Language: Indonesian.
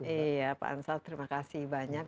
iya pak ansal terima kasih banyak